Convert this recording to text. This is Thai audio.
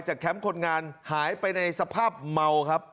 แคมป์คนงานหายไปในสภาพเมาครับ